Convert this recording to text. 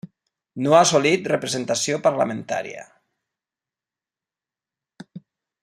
No ha assolit representació parlamentària.